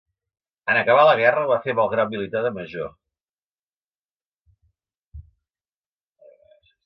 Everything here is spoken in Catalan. En acabar la guerra ho va fer amb el grau militar de Major.